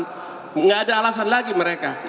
tidak ada alasan lagi mereka